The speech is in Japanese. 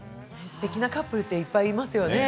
すてきなカップルいっぱいいますよね。